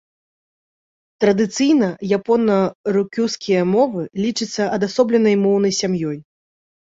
Традыцыйна япона-рукюскія мовы лічацца адасобленай моўнай сям'ёй.